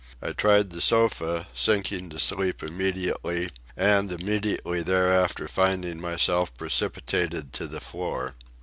I tried the sofa, sinking to sleep immediately, and immediately thereafter finding myself precipitated to the floor.